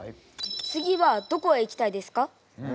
次はどこへ行きたいですか？